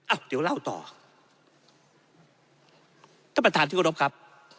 อ้าวเดี๋ยวเล่าต่อเจ้าประตานที่กรมครับ